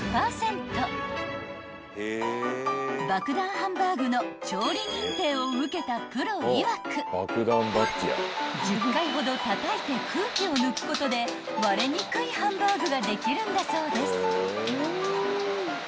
ハンバーグの調理認定を受けたプロいわく１０回ほどたたいて空気を抜くことで割れにくいハンバーグができるんだそうです］